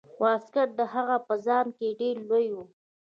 واسکټ د هغه په ځان کې ډیر لوی و.